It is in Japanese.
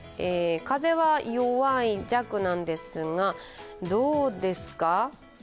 風は弱なんですが、どうですか？